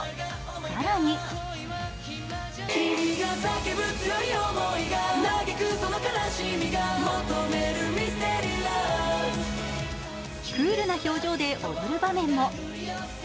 更にクールな表情で踊る場面も。